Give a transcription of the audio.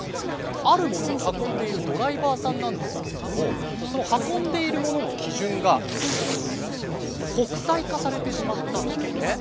あるものを運んでいるドライバーさんなんですけれどもその運んでいるものの基準が国際化されてしまったんですね。